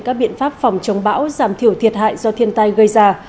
các biện pháp phòng chống bão giảm thiểu thiệt hại do thiên tai gây ra